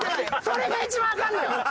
それが一番アカンのよ！